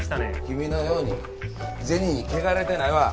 君のように銭に汚れてないわ。